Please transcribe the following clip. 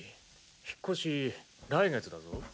引っ越し来月だぞ。